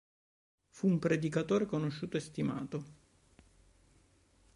Fu un predicatore conosciuto e stimato.